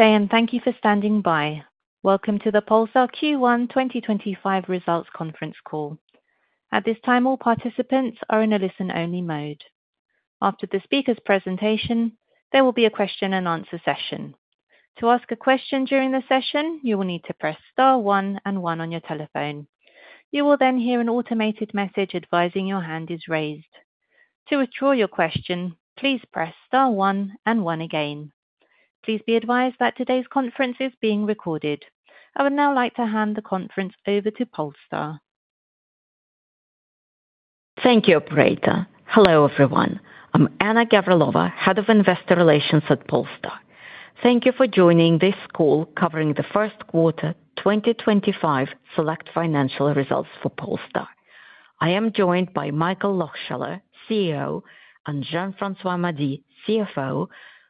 And, thank you for standing by. Welcome to the Polestar Q1 2025 results conference call. At this time, all participants are in a listen-only mode. After the speaker's presentation, there will be a question-and-answer session. To ask a question during the session, you will need to press star one and one on your telephone. You will then hear an automated message advising your hand is raised. To withdraw your question, please press star one and one again. Please be advised that today's conference is being recorded. I would now like to hand the conference over to Polestar. Thank you, Operator. Hello, everyone. I'm Anna Gavrilova, Head of Investor Relations at Polestar. Thank you for joining this call covering the first quarter 2025 select financial results for Polestar. I am joined by Michael Lohscheller, CEO, and Jean-François Mady, CFO,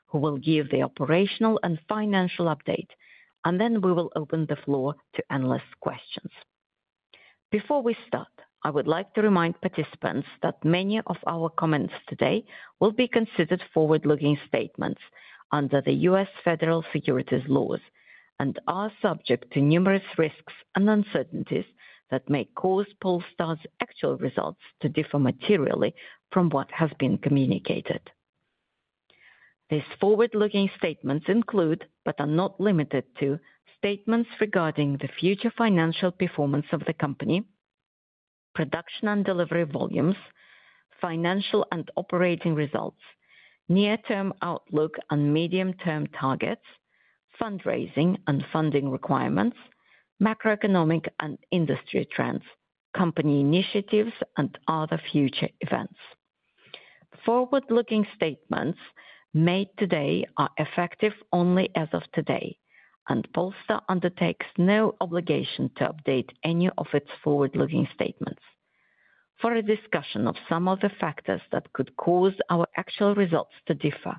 who will give the operational and financial update, and then we will open the floor to endless questions. Before we start, I would like to remind participants that many of our comments today will be considered forward-looking statements under the U.S. federal securities laws and are subject to numerous risks and uncertainties that may cause Polestar's actual results to differ materially from what has been communicated. These forward-looking statements include, but are not limited to, statements regarding the future financial performance of the company, production and delivery volumes, financial and operating results, near-term outlook and medium-term targets, fundraising and funding requirements, macroeconomic and industry trends, company initiatives, and other future events. Forward-looking statements made today are effective only as of today, and Polestar undertakes no obligation to update any of its forward-looking statements. For a discussion of some of the factors that could cause our actual results to differ,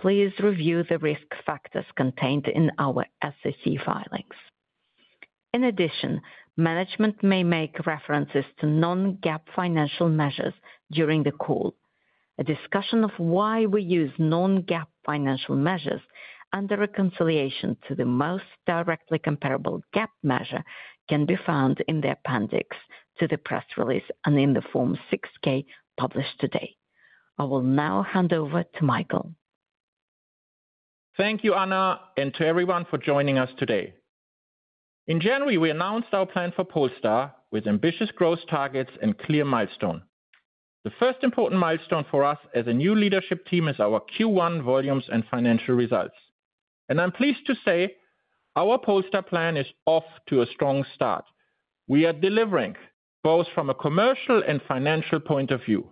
please review the risk factors contained in our SEC filings. In addition, management may make references to non-GAAP financial measures during the call. A discussion of why we use non-GAAP financial measures and the reconciliation to the most directly comparable GAAP measure can be found in the appendix to the press release and in the Form 6-K published today. I will now hand over to Michael. Thank you, Anna, and to everyone for joining us today. In January, we announced our plan for Polestar with ambitious growth targets and clear milestones. The first important milestone for us as a new leadership team is our Q1 volumes and financial results. I'm pleased to say our Polestar plan is off to a strong start. We are delivering both from a commercial and financial point of view.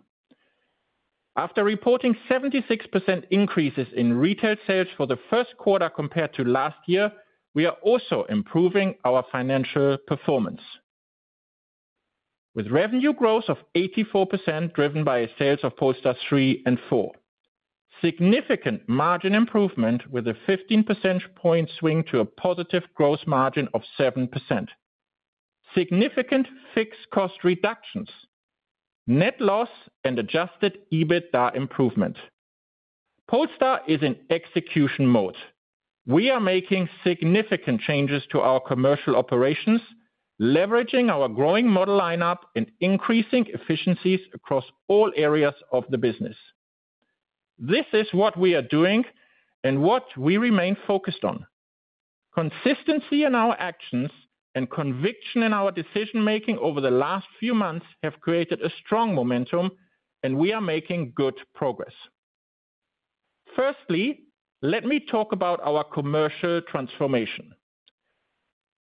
After reporting 76% increases in retail sales for the first quarter compared to last year, we are also improving our financial performance with revenue growth of 84% driven by sales of Polestar 3 and 4, significant margin improvement with a 15 percentage point swing to a positive gross margin of 7%, significant fixed cost reductions, net loss, and Adjusted EBITDA improvement. Polestar is in execution mode. We are making significant changes to our commercial operations, leveraging our growing model lineup and increasing efficiencies across all areas of the business. This is what we are doing and what we remain focused on. Consistency in our actions and conviction in our decision-making over the last few months have created a strong momentum, and we are making good progress. Firstly, let me talk about our commercial transformation.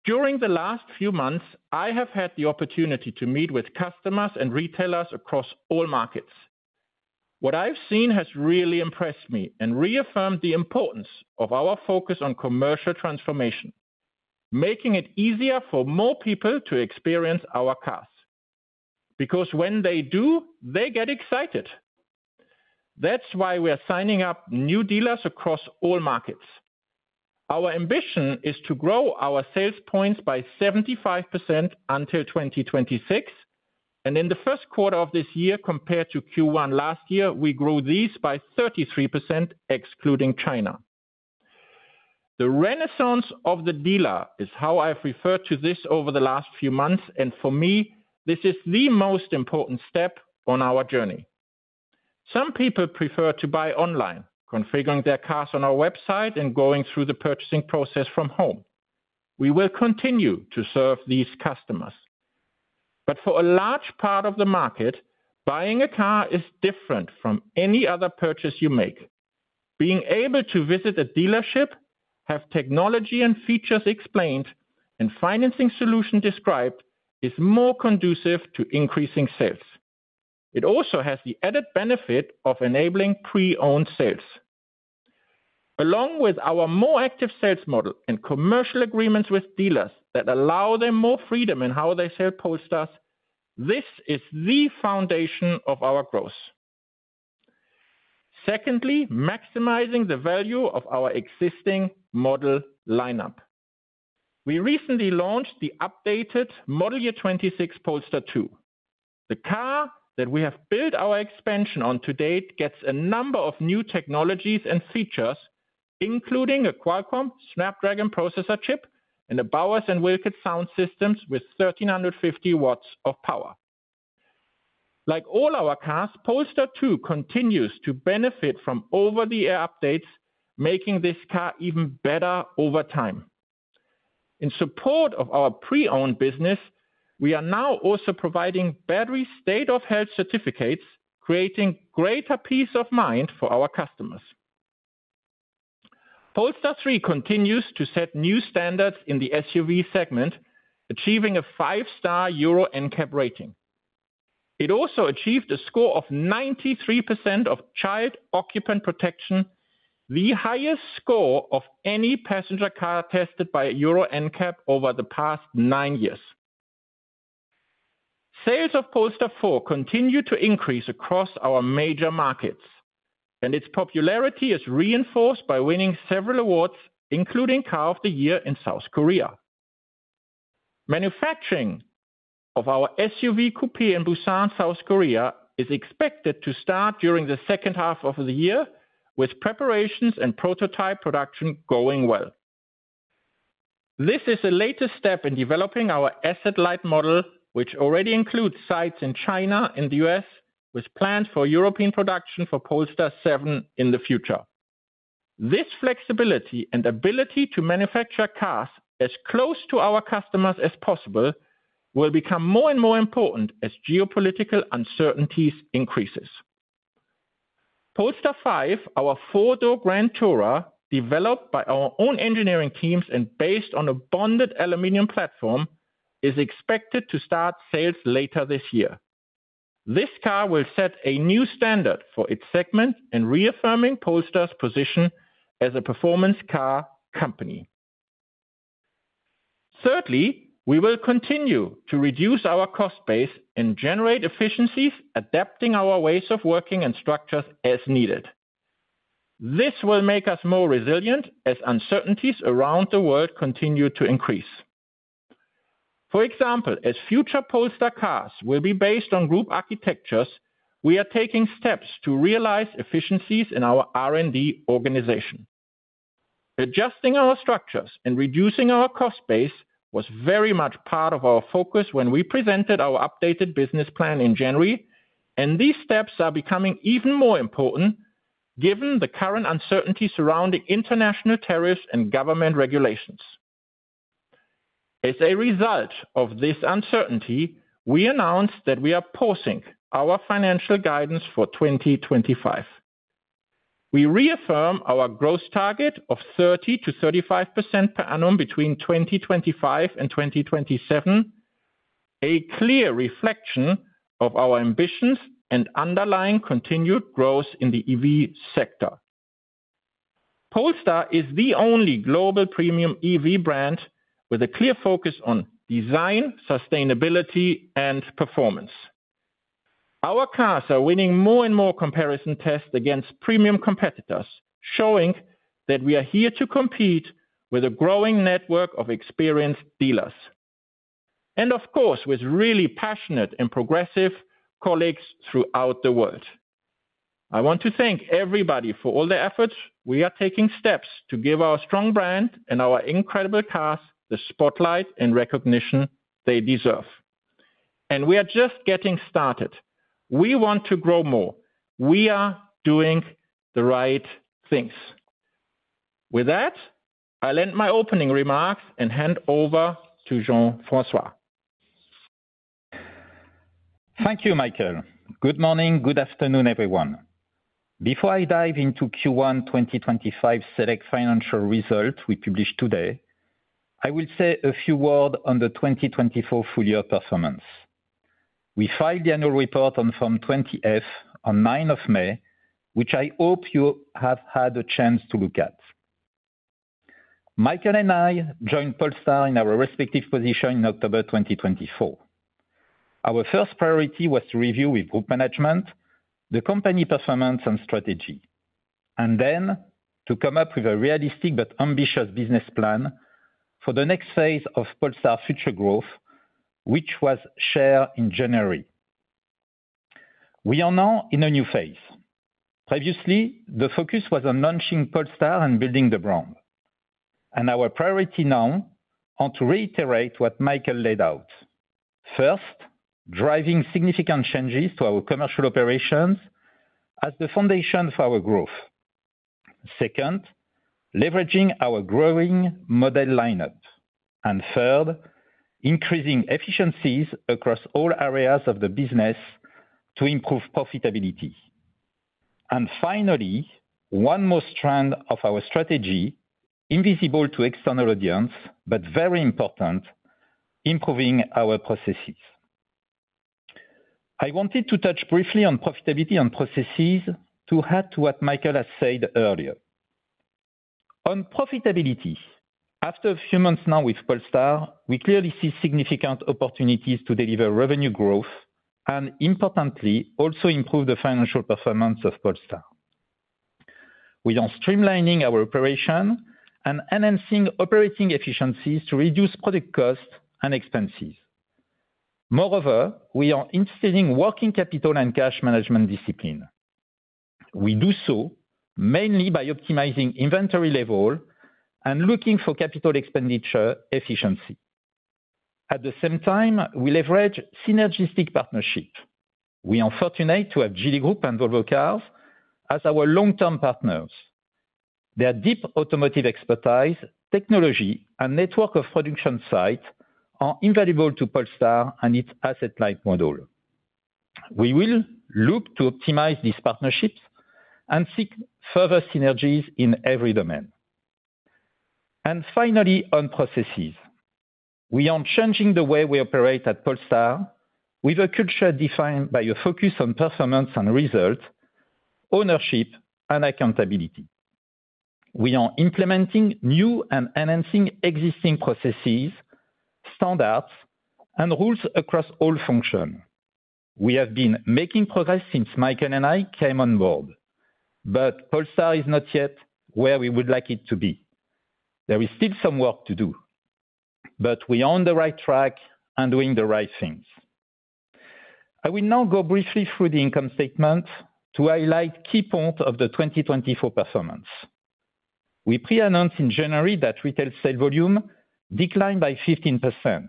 During the last few months, I have had the opportunity to meet with customers and retailers across all markets. What I've seen has really impressed me and reaffirmed the importance of our focus on commercial transformation, making it easier for more people to experience our cars. Because when they do, they get excited. That's why we are signing up new dealers across all markets. Our ambition is to grow our sales points by 75% until 2026, and in the first quarter of this year compared to Q1 last year, we grew these by 33% excluding China. The renaissance of the dealer is how I've referred to this over the last few months, and for me, this is the most important step on our journey. Some people prefer to buy online, configuring their cars on our website and going through the purchasing process from home. We will continue to serve these customers. For a large part of the market, buying a car is different from any other purchase you make. Being able to visit a dealership, have technology and features explained, and financing solutions described is more conducive to increasing sales. It also has the added benefit of enabling pre-owned sales. Along with our more active sales model and commercial agreements with dealers that allow them more freedom in how they sell Polestars, this is the foundation of our growth. Secondly, maximizing the value of our existing model lineup. We recently launched the updated Model Year 26 Polestar 2. The car that we have built our expansion on to date gets a number of new technologies and features, including a Qualcomm Snapdragon processor chip and a Bowers & Wilkins sound system with 1,350 watts of power. Like all our cars, Polestar 2 continues to benefit from over-the-air updates, making this car even better over time. In support of our pre-owned business, we are now also providing battery state-of-health certificates, creating greater peace of mind for our customers. Polestar 3 continues to set new standards in the SUV segment, achieving a five-star Euro NCAP rating. It also achieved a score of 93% of child occupant protection, the highest score of any passenger car tested by Euro NCAP over the past nine years. Sales of Polestar 4 continue to increase across our major markets, and its popularity is reinforced by winning several awards, including Car of the Year in South Korea. Manufacturing of our SUV coupé in Busan, South Korea, is expected to start during the second half of the year, with preparations and prototype production going well. This is a latest step in developing our asset light model, which already includes sites in China and the US, with plans for European production for Polestar 7 in the future. This flexibility and ability to manufacture cars as close to our customers as possible will become more and more important as geopolitical uncertainties increase. Polestar 5, our four-door Grand Tourer, developed by our own engineering teams and based on a bonded aluminum platform, is expected to start sales later this year. This car will set a new standard for its segment and reaffirm Polestar's position as a performance car company. Thirdly, we will continue to reduce our cost base and generate efficiencies, adapting our ways of working and structures as needed. This will make us more resilient as uncertainties around the world continue to increase. For example, as future Polestar cars will be based on group architectures, we are taking steps to realize efficiencies in our R&D organization. Adjusting our structures and reducing our cost base was very much part of our focus when we presented our updated business plan in January, and these steps are becoming even more important given the current uncertainty surrounding international tariffs and government regulations. As a result of this uncertainty, we announced that we are pausing our financial guidance for 2025. We reaffirm our growth target of 30%-35% per annum between 2025 and 2027, a clear reflection of our ambitions and underlying continued growth in the EV sector. Polestar is the only global premium EV brand with a clear focus on design, sustainability, and performance. Our cars are winning more and more comparison tests against premium competitors, showing that we are here to compete with a growing network of experienced dealers. Of course, with really passionate and progressive colleagues throughout the world. I want to thank everybody for all the efforts. We are taking steps to give our strong brand and our incredible cars the spotlight and recognition they deserve. We are just getting started. We want to grow more. We are doing the right things. With that, I'll end my opening remarks and hand over to Jean-François. Thank you, Michael. Good morning, good afternoon, everyone. Before I dive into Q1 2025 select financial results we published today, I will say a few words on the 2024 full-year performance. We filed the annual report on Form 20-F on 9th May, which I hope you have had a chance to look at. Michael and I joined Polestar in our respective positions in October 2024. Our first priority was to review with group management the company performance and strategy, and then to come up with a realistic but ambitious business plan for the next phase of Polestar's future growth, which was shared in January. We are now in a new phase. Previously, the focus was on launching Polestar and building the brand. Our priority now is to reiterate what Michael laid out. First, driving significant changes to our commercial operations as the foundation for our growth. Second, leveraging our growing model lineup. Third, increasing efficiencies across all areas of the business to improve profitability. Finally, one more strand of our strategy, invisible to external audience, but very important: improving our processes. I wanted to touch briefly on profitability and processes to add to what Michael has said earlier. On profitability, after a few months now with Polestar, we clearly see significant opportunities to deliver revenue growth and, importantly, also improve the financial performance of Polestar. We are streamlining our operation and enhancing operating efficiencies to reduce product costs and expenses. Moreover, we are instilling working capital and cash management discipline. We do so mainly by optimizing inventory level and looking for capital expenditure efficiency. At the same time, we leverage synergistic partnerships. We are fortunate to have Geely Group and Volvo Cars as our long-term partners. Their deep automotive expertise, technology, and network of production sites are invaluable to Polestar and its asset light model. We will look to optimize these partnerships and seek further synergies in every domain. Finally, on processes, we are changing the way we operate at Polestar with a culture defined by a focus on performance and results, ownership, and accountability. We are implementing new and enhancing existing processes, standards, and rules across all functions. We have been making progress since Michael and I came on board, but Polestar is not yet where we would like it to be. There is still some work to do, but we are on the right track and doing the right things. I will now go briefly through the income statement to highlight key points of the 2024 performance. We pre-announced in January that retail sale volume declined by 15%.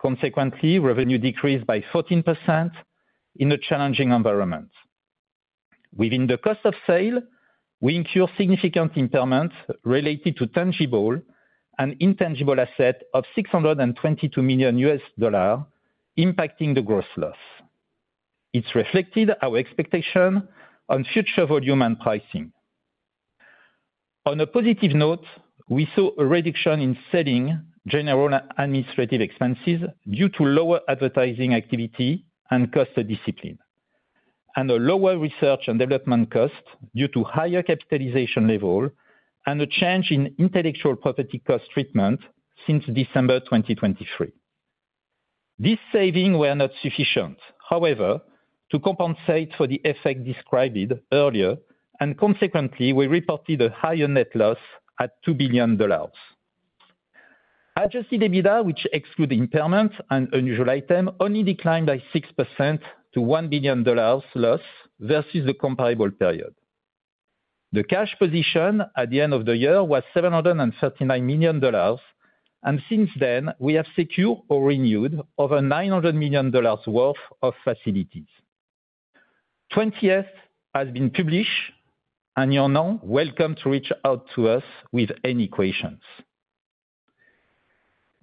Consequently, revenue decreased by 14% in a challenging environment. Within the cost of sale, we incur significant impairments related to tangible and intangible assets of $622 million impacting the gross loss. It is reflected in our expectation on future volume and pricing. On a positive note, we saw a reduction in selling, general, and administrative expenses due to lower advertising activity and cost discipline, and a lower research and development cost due to higher capitalization level and a change in intellectual property cost treatment since December 2023. These savings were not sufficient, however, to compensate for the effect described earlier, and consequently, we reported a higher net loss at $2 billion. Adjusted EBITDA, which excludes impairments and unusual items, only declined by 6% to $1 billion loss versus the comparable period. The cash position at the end of the year was $739 million, and since then, we have secured or renewed over $900 million worth of facilities. Form 20-F has been published, and you are now welcome to reach out to us with any questions.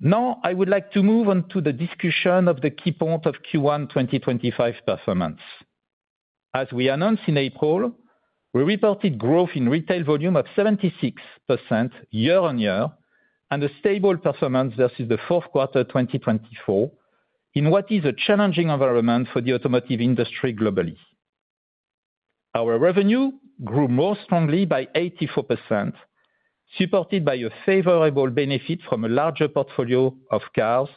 Now, I would like to move on to the discussion of the key point of Q1 2025 performance. As we announced in April, we reported growth in retail volume of 76% year-on-year and a stable performance versus the fourth quarter 2024 in what is a challenging environment for the automotive industry globally. Our revenue grew more strongly by 84%, supported by a favorable benefit from a larger portfolio of cars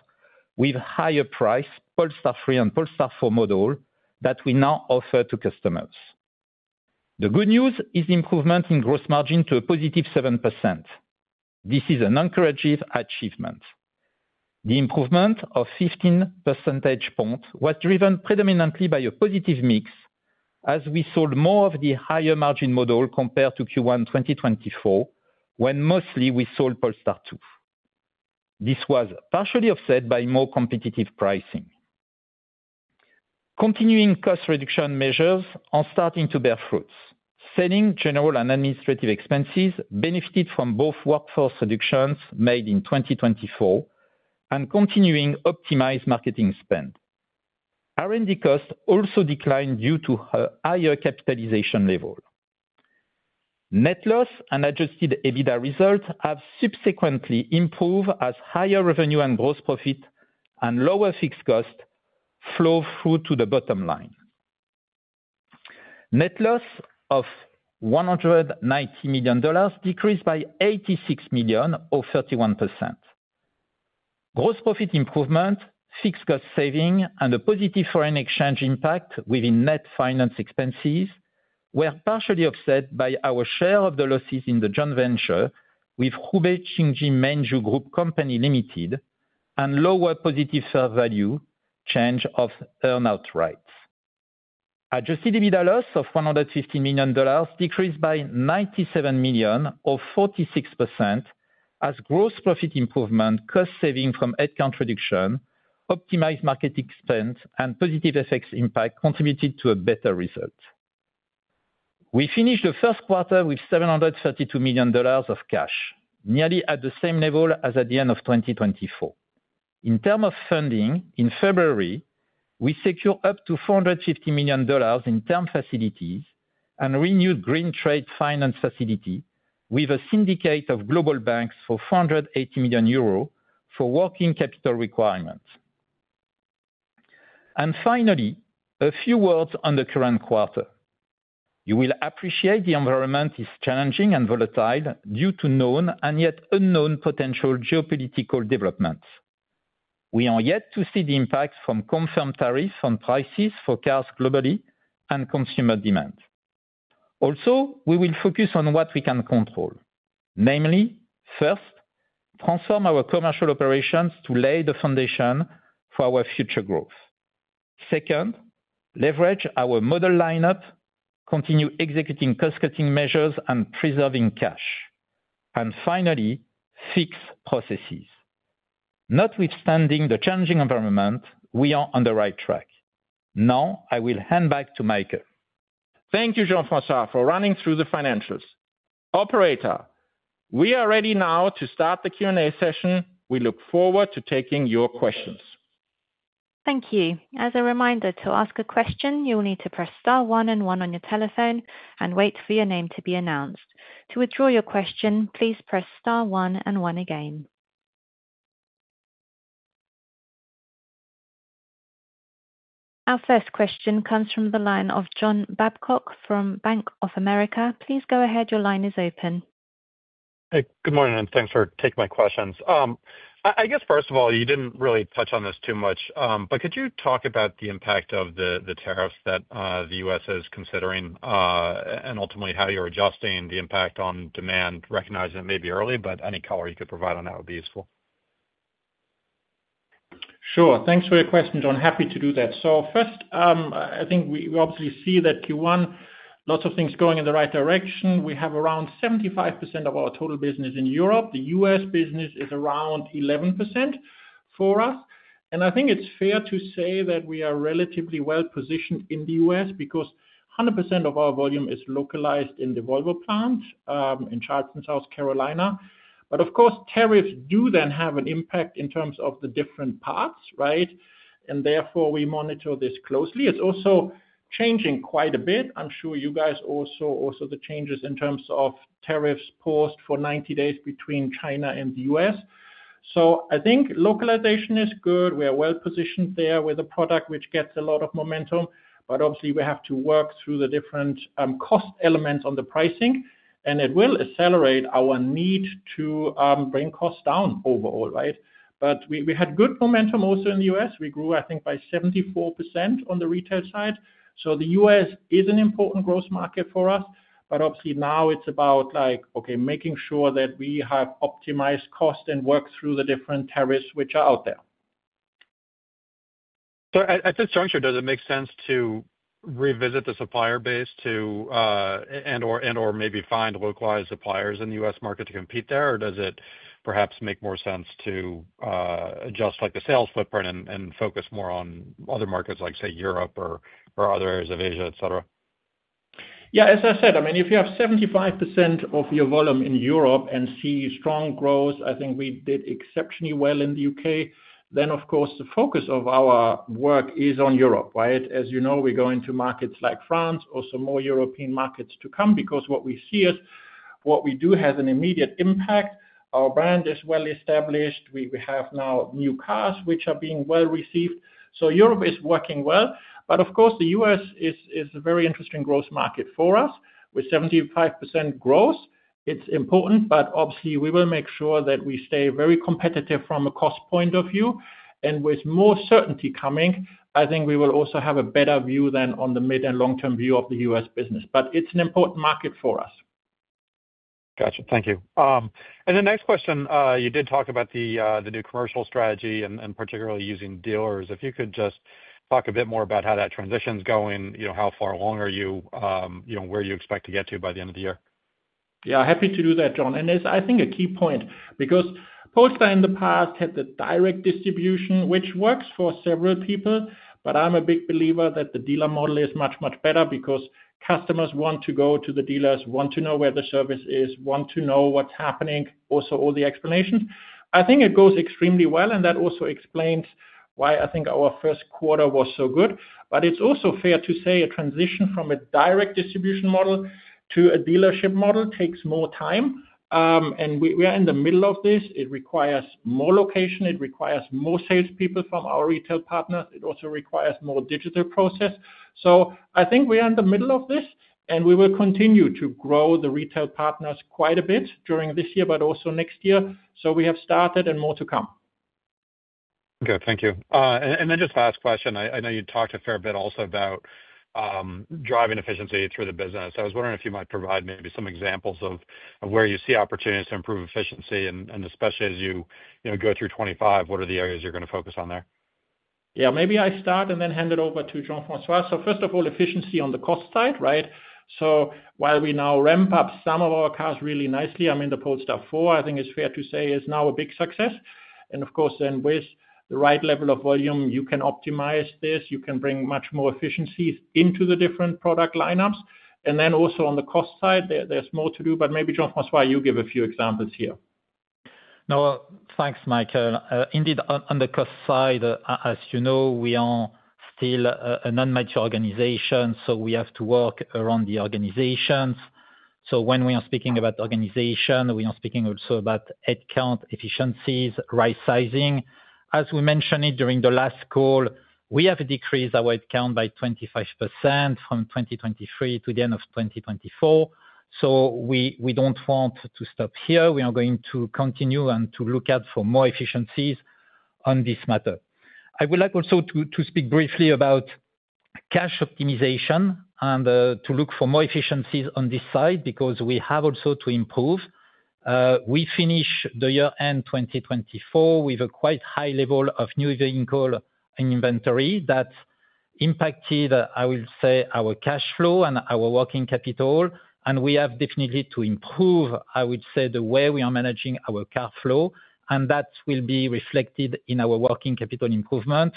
with higher price, Polestar 3 and Polestar 4 models that we now offer to customers. The good news is the improvement in gross margin to a positive 7%. This is an encouraging achievement. The improvement of 15 percentage points was driven predominantly by a positive mix as we sold more of the higher margin model compared to Q1 2024, when mostly we sold Polestar 2. This was partially offset by more competitive pricing. Continuing cost reduction measures are starting to bear fruits. Selling, general and administrative expenses benefited from both workforce reductions made in 2024 and continuing optimized marketing spend. R&D costs also declined due to higher capitalization level. Net loss and adjusted EBITDA results have subsequently improved as higher revenue and gross profit and lower fixed costs flow through to the bottom line. Net loss of $190 million decreased by $86 million, or 31%. Gross profit improvement, fixed cost saving, and a positive foreign exchange impact within net finance expenses were partially offset by our share of the losses in the joint venture with Hubei Qingjin Mengzhu Group Company Limited and lower positive fair value change of earn-out rights. Adjusted EBITDA loss of $115 million decreased by $97 million, or 46%, as gross profit improvement, cost saving from headcount reduction, optimized marketing spend, and positive effects impact contributed to a better result. We finished the first quarter with $732 million of cash, nearly at the same level as at the end of 2024. In terms of funding, in February, we secured up to $450 million in term facilities and renewed green trade finance facility with a syndicate of global banks for 480 million euros for working capital requirements. Finally, a few words on the current quarter. You will appreciate the environment is challenging and volatile due to known and yet unknown potential geopolitical developments. We are yet to see the impacts from confirmed tariffs on prices for cars globally and consumer demand. Also, we will focus on what we can control. Namely, first, transform our commercial operations to lay the foundation for our future growth. Second, leverage our model lineup, continue executing cost-cutting measures and preserving cash. Finally, fix processes. Notwithstanding the challenging environment, we are on the right track. Now, I will hand back to Michael. Thank you, Jean-François, for running through the financials. Operator, we are ready now to start the Q&A session. We look forward to taking your questions. Thank you. As a reminder, to ask a question, you will need to press star one and one on your telephone and wait for your name to be announced. To withdraw your question, please press star one and one again. Our first question comes from the line of John Babcock from Bank of America. Please go ahead. Your line is open. Good morning, and thanks for taking my questions. I guess, first of all, you did not really touch on this too much, but could you talk about the impact of the tariffs that the U.S. is considering and ultimately how you are adjusting the impact on demand, recognizing it may be early, but any color you could provide on that would be useful? Sure. Thanks for your question, John. Happy to do that. First, I think we obviously see that Q1, lots of things going in the right direction. We have around 75% of our total business in Europe. The U.S. business is around 11% for us. I think it is fair to say that we are relatively well positioned in the U.S. because 100% of our volume is localized in the Volvo plant in Charleston, South Carolina. Of course, tariffs do then have an impact in terms of the different parts, right? Therefore, we monitor this closely. It is also changing quite a bit. I am sure you guys also saw the changes in terms of tariffs paused for 90 days between China and the U.S. I think localization is good. We are well positioned there with a product which gets a lot of momentum. Obviously, we have to work through the different cost elements on the pricing, and it will accelerate our need to bring costs down overall, right? We had good momentum also in the U.S. We grew, I think, by 74% on the retail side. The U.S. is an important growth market for us, but obviously now it's about, like, okay, making sure that we have optimized costs and work through the different tariffs which are out there. At this juncture, does it make sense to revisit the supplier base and/or maybe find localized suppliers in the U.S. market to compete there, or does it perhaps make more sense to adjust the sales footprint and focus more on other markets like, say, Europe or other areas of Asia, et cetera? Yeah, as I said, I mean, if you have 75% of your volume in Europe and see strong growth, I think we did exceptionally well in the U.K., the focus of our work is on Europe, right? As you know, we're going to markets like France, also more European markets to come because what we see is what we do have an immediate impact. Our brand is well established. We have now new cars which are being well received. Europe is working well. Of course, the U.S. is a very interesting growth market for us with 75% growth. It's important, but obviously, we will make sure that we stay very competitive from a cost point of view. With more certainty coming, I think we will also have a better view than on the mid and long-term view of the U.S. business. It is an important market for us. Gotcha. Thank you. The next question, you did talk about the new commercial strategy and particularly using dealers. If you could just talk a bit more about how that transition's going, how far along are you, where you expect to get to by the end of the year? Yeah, happy to do that, John. It's, I think, a key point because Polestar in the past had the direct distribution, which works for several people, but I'm a big believer that the dealer model is much, much better because customers want to go to the dealers, want to know where the service is, want to know what's happening, also all the explanations. I think it goes extremely well, and that also explains why I think our first quarter was so good. It's also fair to say a transition from a direct distribution model to a dealership model takes more time. We are in the middle of this. It requires more location. It requires more salespeople from our retail partners. It also requires more digital process. I think we are in the middle of this, and we will continue to grow the retail partners quite a bit during this year, but also next year. We have started and more to come. Okay. Thank you. Then just last question. I know you talked a fair bit also about driving efficiency through the business. I was wondering if you might provide maybe some examples of where you see opportunities to improve efficiency, and especially as you go through 2025, what are the areas you're going to focus on there? Yeah, maybe I start and then hand it over to Jean-François. First of all, efficiency on the cost side, right? While we now ramp up some of our cars really nicely, I mean, the Polestar 4, I think it's fair to say is now a big success. Of course, then with the right level of volume, you can optimize this. You can bring much more efficiencies into the different product lineups. Also on the cost side, there's more to do, but maybe Jean-François, you give a few examples here. Now, thanks, Michael. Indeed, on the cost side, as you know, we are still an unmatched organization, so we have to work around the organizations. When we are speaking about organization, we are speaking also about headcount efficiencies, right-sizing. As we mentioned it during the last call, we have decreased our headcount by 25% from 2023 to the end of 2024. We do not want to stop here. We are going to continue and to look out for more efficiencies on this matter. I would like also to speak briefly about cash optimization and to look for more efficiencies on this side because we have also to improve. We finished the year-end 2024 with a quite high level of new vehicle inventory that impacted, I will say, our cash flow and our working capital. We have definitely to improve, I would say, the way we are managing our car flow, and that will be reflected in our working capital improvement.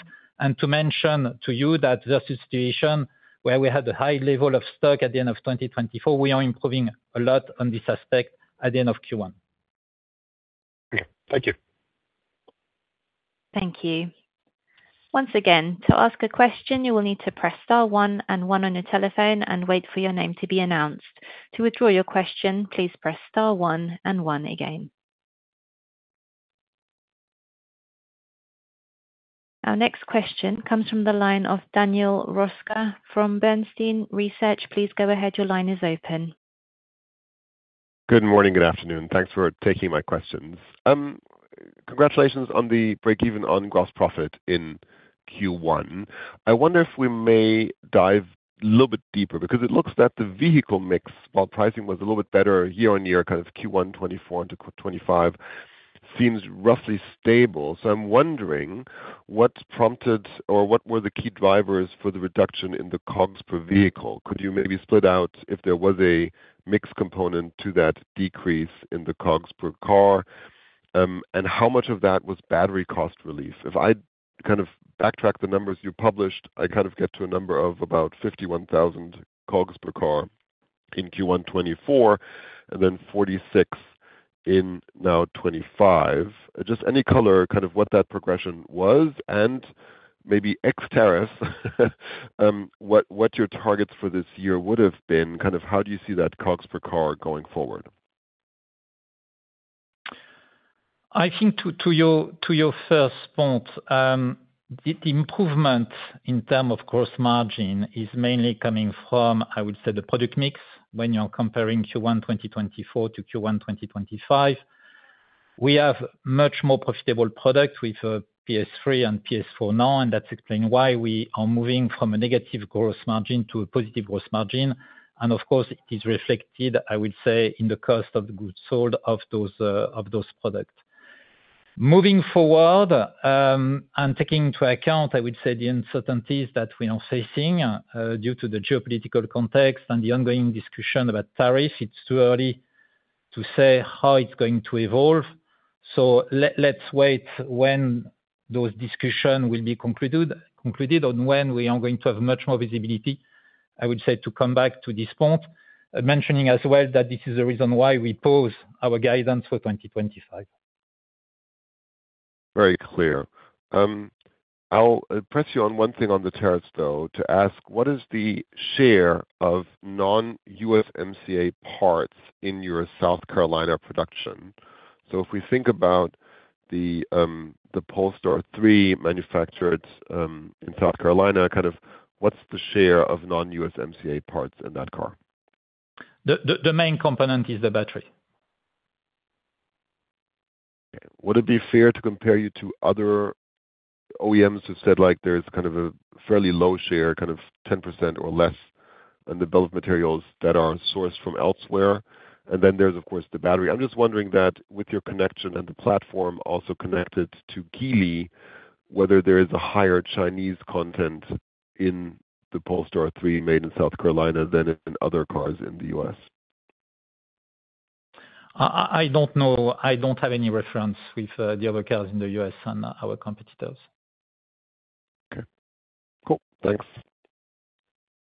To mention to you that versus a situation where we had a high level of stock at the end of 2024, we are improving a lot on this aspect at the end of Q1. Okay. Thank you. Thank you. Once again, to ask a question, you will need to press star one and one on your telephone and wait for your name to be announced. To withdraw your question, please press star one and one again. Our next question comes from the line of Daniel Roeska from Bernstein. Please go ahead. Your line is open. Good morning, good afternoon. Thanks for taking my questions. Congratulations on the break-even on gross profit in Q1. I wonder if we may dive a little bit deeper because it looks that the vehicle mix while pricing was a little bit better year-on-year, kind of Q1 2024 to 2025, seems roughly stable. I am wondering what prompted or what were the key drivers for the reduction in the COGS per vehicle? Could you maybe split out if there was a mix component to that decrease in the COGS per car, and how much of that was battery cost relief? If I kind of backtrack the numbers you published, I kind of get to a number of about $51,000 COGS per car in Q1 2024 and then $46,000 in now 2025. Just any color, kind of what that progression was, and maybe ex-terrace, what your targets for this year would have been. Kind of how do you see that COGS per car going forward? I think to your first point, the improvement in terms of gross margin is mainly coming from, I would say, the product mix when you're comparing Q1 2024 to Q1 2025. We have much more profitable products with Polestar 3 and Polestar 4 now, and that's explaining why we are moving from a negative gross margin to a positive gross margin. Of course, it is reflected, I would say, in the cost of goods sold of those products. Moving forward and taking into account, I would say, the uncertainties that we are facing due to the geopolitical context and the ongoing discussion about tariffs, it's too early to say how it's going to evolve. Let's wait when those discussions will be concluded on when we are going to have much more visibility, I would say, to come back to this point, mentioning as well that this is the reason why we pause our guidance for 2025. Very clear. I'll press you on one thing on the tariffs, though, to ask, what is the share of non-U.S. MCA parts in your South Carolina production? If we think about the Polestar 3 manufactured in South Carolina, kind of what's the share of non-U.S. MCA parts in that car? The main component is the battery. Okay. Would it be fair to compare you to other OEMs who said like there's kind of a fairly low share, kind of 10% or less, on the bulk materials that are sourced from elsewhere? There is, of course, the battery. I'm just wondering that with your connection and the platform also connected to Geely, whether there is a higher Chinese content in the Polestar 3 made in South Carolina than in other cars in the U.S.? I don't know. I don't have any reference with the other cars in the U.S. and our competitors. Okay. Cool. Thanks.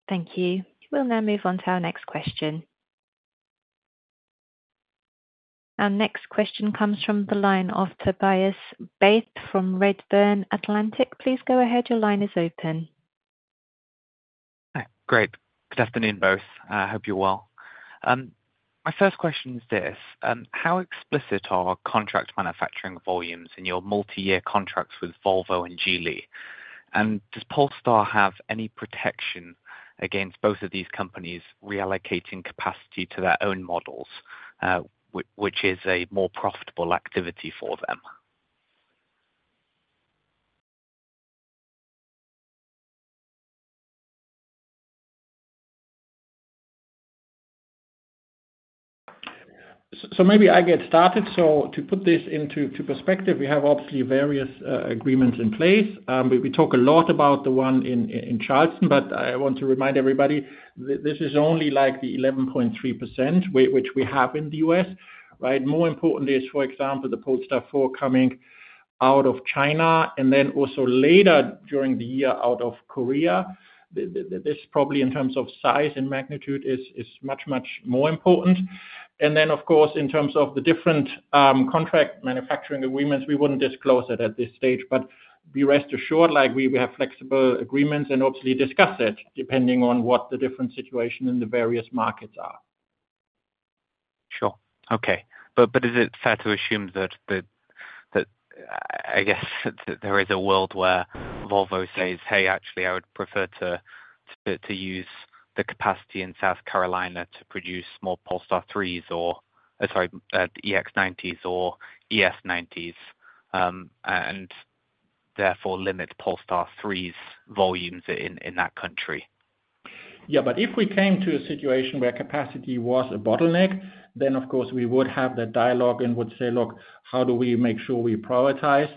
Thank you. We'll now move on to our next question. Our next question comes from the line of Tobias Beith from Redburn Atlantic. Please go ahead. Your line is open. Hi. Great. Good afternoon, both. I hope you're well. My first question is this: how explicit are contract manufacturing volumes in your multi-year contracts with Volvo and Geely? Does Polestar have any protection against both of these companies reallocating capacity to their own models, which is a more profitable activity for them? Maybe I get started. To put this into perspective, we have obviously various agreements in place. We talk a lot about the one in Charleston, but I want to remind everybody this is only like the 11.3% which we have in the U.S., right? More important is, for example, the Polestar 4 coming out of China and then also later during the year out of Korea. This probably in terms of size and magnitude is much, much more important. Of course, in terms of the different contract manufacturing agreements, we would not disclose it at this stage, but be rest assured, we have flexible agreements and obviously discuss it depending on what the different situations in the various markets are. Sure. Okay. Is it fair to assume that, I guess, there is a world where Volvo says, "Hey, actually, I would prefer to use the capacity in South Carolina to produce more Polestar 3s or, sorry, EX90s or ES90s," and therefore limit Polestar 3's volumes in that country? Yeah, but if we came to a situation where capacity was a bottleneck, then of course we would have that dialogue and would say, "Look, how do we make sure we prioritize?"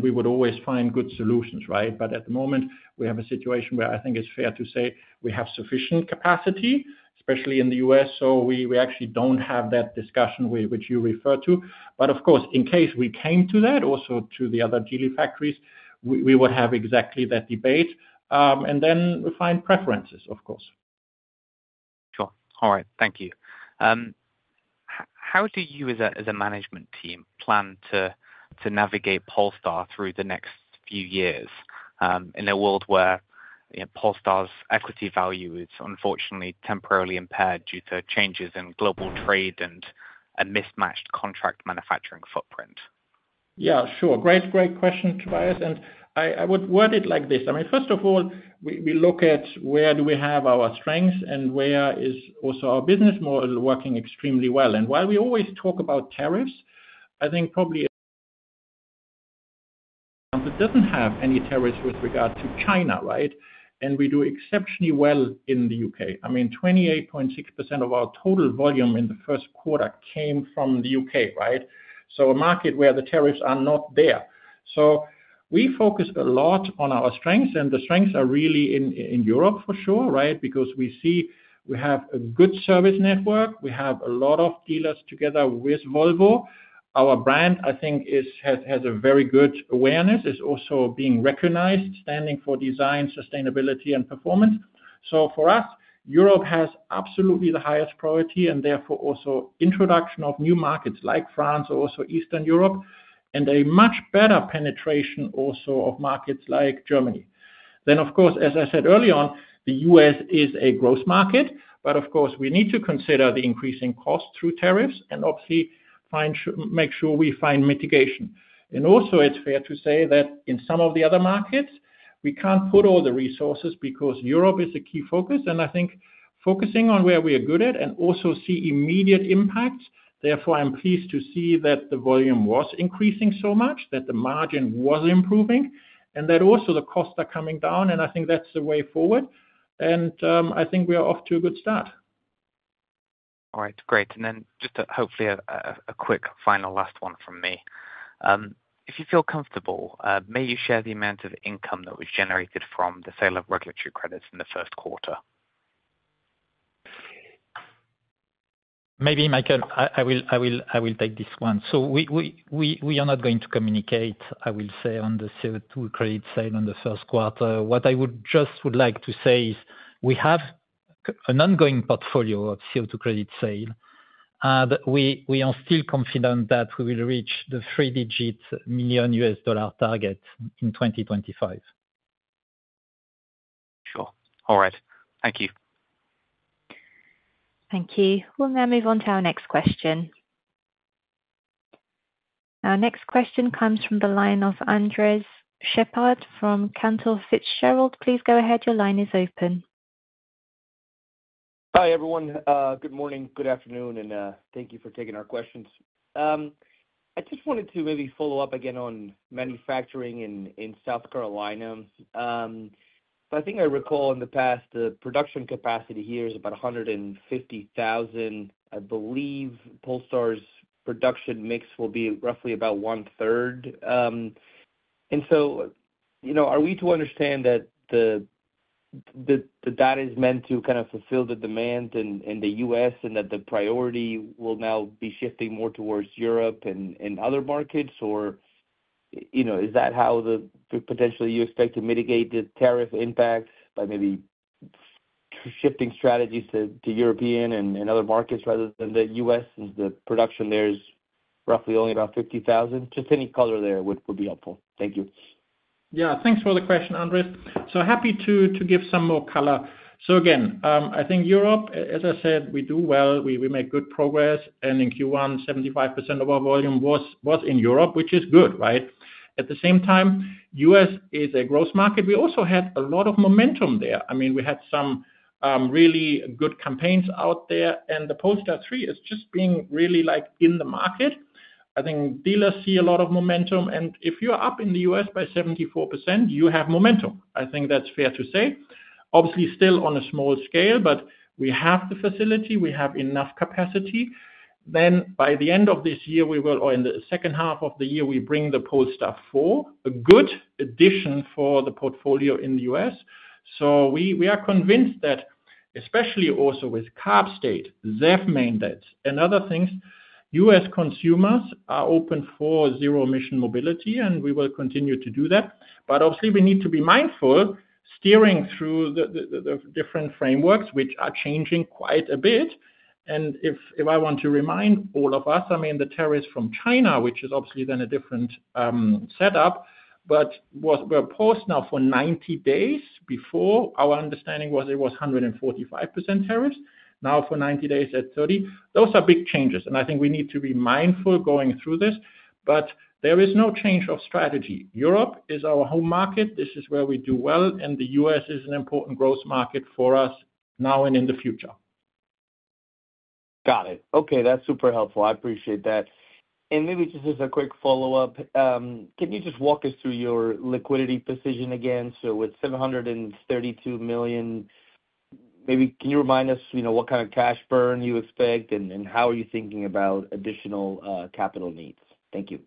We would always find good solutions, right? At the moment, we have a situation where I think it's fair to say we have sufficient capacity, especially in the U.S. We actually don't have that discussion which you refer to. Of course, in case we came to that, also to the other Geely factories, we would have exactly that debate. Then we find preferences, of course. Sure. All right. Thank you. How do you, as a management team, plan to navigate Polestar through the next few years in a world where Polestar's equity value is unfortunately temporarily impaired due to changes in global trade and a mismatched contract manufacturing footprint? Yeah, sure. Great, great question, Tobias. I would word it like this. First of all, we look at where do we have our strengths and where is also our business model working extremely well. While we always talk about tariffs, I think probably it does not have any tariffs with regard to China, right? We do exceptionally well in the U.K. I mean, 28.6% of our total volume in the first quarter came from the U.K., right? A market where the tariffs are not there. We focus a lot on our strengths, and the strengths are really in Europe, for sure, right? Because we see we have a good service network. We have a lot of dealers together with Volvo. Our brand, I think, has a very good awareness. It is also being recognized, standing for design, sustainability, and performance. For us, Europe has absolutely the highest priority and therefore also introduction of new markets like France, also Eastern Europe, and a much better penetration also of markets like Germany. Of course, as I said earlier, the U.S. is a growth market, but of course, we need to consider the increasing cost through tariffs and obviously make sure we find mitigation. Also, it is fair to say that in some of the other markets, we cannot put all the resources because Europe is a key focus. I think focusing on where we are good at and also see immediate impacts. Therefore, I am pleased to see that the volume was increasing so much, that the margin was improving, and that also the costs are coming down. I think that is the way forward. I think we are off to a good start. All right. Great. And then just hopefully a quick final last one from me. If you feel comfortable, may you share the amount of income that was generated from the sale of regulatory credits in the first quarter? Maybe, Michael. I will take this one. We are not going to communicate, I will say, on the CO2 credit sale in the first quarter. What I would just like to say is we have an ongoing portfolio of CO2 credit sale, and we are still confident that we will reach the three-digit million U.S. dollar target in 2025. Sure. All right. Thank you. Thank you. We'll now move on to our next question. Our next question comes from the line of Andres Sheppard from Cantor Fitzgerald. Please go ahead. Your line is open. Hi, everyone. Good morning, good afternoon, and thank you for taking our questions. I just wanted to maybe follow up again on manufacturing in South Carolina. I think I recall in the past the production capacity here is about 150,000. I believe Polestar's production mix will be roughly about one-third. Are we to understand that the data is meant to kind of fulfill the demand in the U.S. and that the priority will now be shifting more towards Europe and other markets? Is that how potentially you expect to mitigate the tariff impact by maybe shifting strategies to European and other markets rather than the U.S. since the production there is roughly only about 50,000? Any color there would be helpful. Thank you. Yeah. Thanks for the question, Andres. So happy to give some more color. Again, I think Europe, as I said, we do well. We make good progress. In Q1, 75% of our volume was in Europe, which is good, right? At the same time, U.S. is a growth market. We also had a lot of momentum there. I mean, we had some really good campaigns out there, and the Polestar 3 is just being really like in the market. I think dealers see a lot of momentum. If you are up in the U.S. by 74%, you have momentum. I think that's fair to say. Obviously, still on a small scale, but we have the facility. We have enough capacity. By the end of this year, we will, or in the second half of the year, we bring the Polestar 4, a good addition for the portfolio in the U.S. We are convinced that especially also with carb state, ZEV mandates, and other things, U.S. consumers are open for zero-emission mobility, and we will continue to do that. Obviously, we need to be mindful steering through the different frameworks, which are changing quite a bit. If I want to remind all of us, I mean, the tariffs from China, which is obviously then a different setup, but were paused now for 90 days before. Our understanding was it was 145% tariffs. Now for 90 days at 30%. Those are big changes. I think we need to be mindful going through this, but there is no change of strategy. Europe is our home market. This is where we do well. The U.S. is an important growth market for us now and in the future. Got it. Okay. That's super helpful. I appreciate that. Maybe just as a quick follow-up, can you just walk us through your liquidity position again? With $732 million, maybe can you remind us what kind of cash burn you expect and how are you thinking about additional capital needs? Thank you.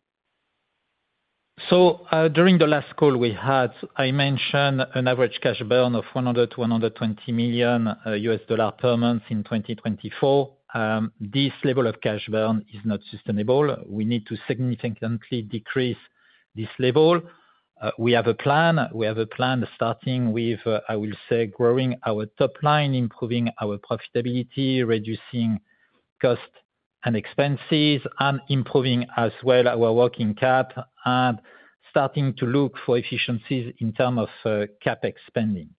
During the last call we had, I mentioned an average cash burn of $100 million-$120 million per month in 2024. This level of cash burn is not sustainable. We need to significantly decrease this level. We have a plan. We have a plan starting with, I will say, growing our top line, improving our profitability, reducing cost and expenses, and improving as well our working cap and starting to look for efficiencies in terms of CapEx spending.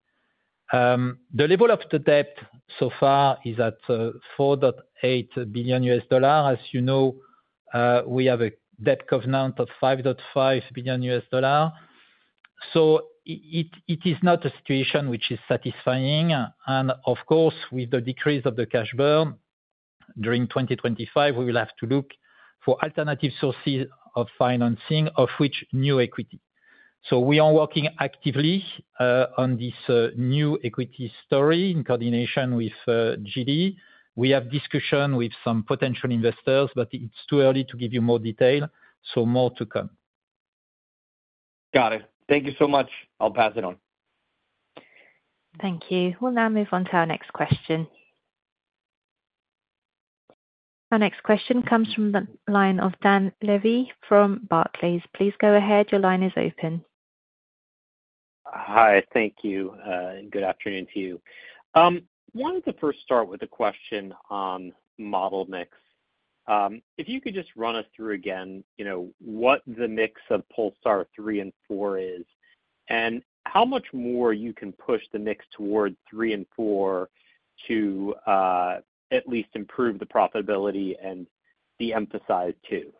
The level of the debt so far is at $4.8 billion. As you know, we have a debt covenant of $5.5 billion. It is not a situation which is satisfying. Of course, with the decrease of the cash burn during 2025, we will have to look for alternative sources of financing, of which new equity. We are working actively on this new equity story in coordination with Geely. We have discussion with some potential investors, but it's too early to give you more detail. More to come. Got it. Thank you so much. I'll pass it on. Thank you. We'll now move on to our next question. Our next question comes from the line of Dan Levy from Barclays. Please go ahead. Your line is open. Hi. Thank you. Good afternoon to you. I wanted to first start with a question on model mix. If you could just run us through again what the mix of Polestar 3 and 4 is and how much more you can push the mix towards 3 and 4 to at least improve the profitability and de-emphasize 2.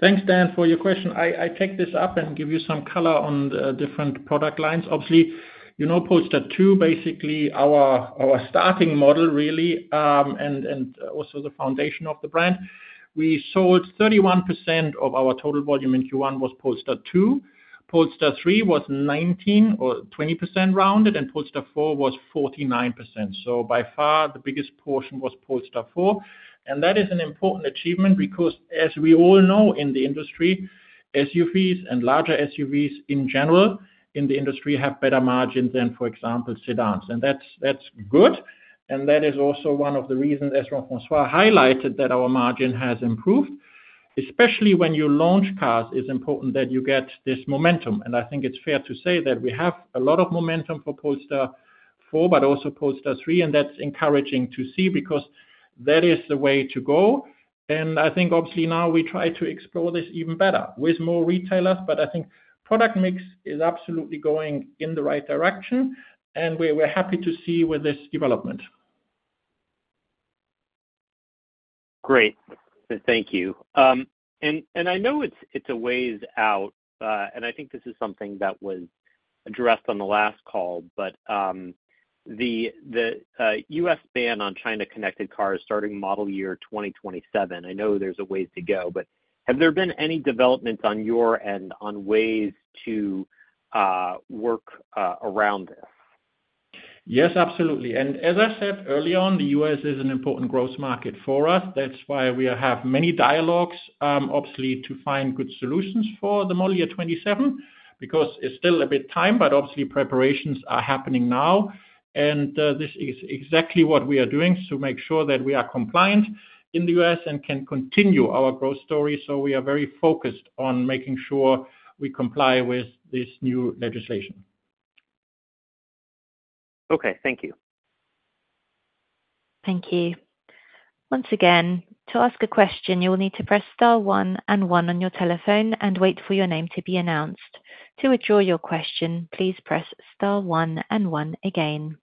Thanks, Dan, for your question. I take this up and give you some color on the different product lines. Obviously, Polestar 2, basically our starting model really, and also the foundation of the brand. We sold 31% of our total volume in Q1 was Polestar 2. Polestar 3 was 19% or 20% rounded, and Polestar 4 was 49%. By far, the biggest portion was Polestar 4. That is an important achievement because, as we all know in the industry, SUVs and larger SUVs in general in the industry have better margins than, for example, sedans. That is good. That is also one of the reasons that François highlighted that our margin has improved. Especially when you launch cars, it is important that you get this momentum. I think it is fair to say that we have a lot of momentum for Polestar 4, but also Polestar 3. That's encouraging to see because that is the way to go. I think obviously now we try to explore this even better with more retailers. I think product mix is absolutely going in the right direction. We're happy to see with this development. Great. Thank you. I know it's a ways out. I think this is something that was addressed on the last call, but the U.S. ban on China-connected cars starting model year 2027, I know there's a ways to go, but have there been any developments on your end on ways to work around this? Yes, absolutely. As I said earlier, the U.S. is an important growth market for us. That is why we have many dialogues, obviously, to find good solutions for the model year 27 because it is still a bit time, but obviously preparations are happening now. This is exactly what we are doing to make sure that we are compliant in the U.S. and can continue our growth story. We are very focused on making sure we comply with this new legislation. Okay. Thank you. Thank you. Once again, to ask a question, you will need to press star one and one on your telephone and wait for your name to be announced. To withdraw your question, please press star one and one again.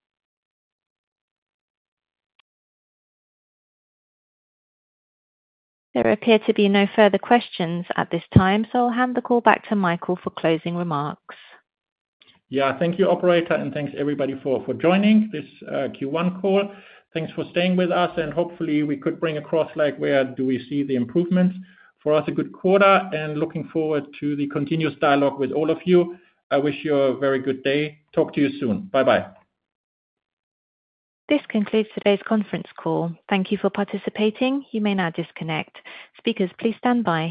There appear to be no further questions at this time, so I'll hand the call back to Michael for closing remarks. Yeah. Thank you, operator, and thanks everybody for joining this Q1 call. Thank you for staying with us. Hopefully, we could bring across where we see the improvements. For us, a good quarter, and looking forward to the continuous dialogue with all of you. I wish you a very good day. Talk to you soon. Bye-bye. This concludes today's conference call. Thank you for participating. You may now disconnect. Speakers, please stand by.